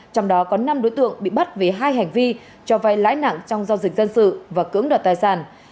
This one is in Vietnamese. trong đó có năm đối tượng bị bắt về hai hành vi cho vay lãi nặng trong giao dịch dân sự và cưỡng đoạt tài sản